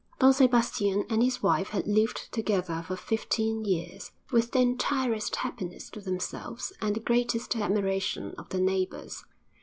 III Don Sebastian and his wife had lived together for fifteen years, with the entirest happiness to themselves and the greatest admiration of their neighbours.